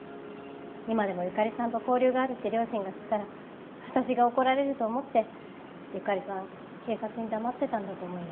今でもゆかりさんと交流があるって両親が知ったら私が怒られると思ってゆかりさん警察に黙ってたんだと思います。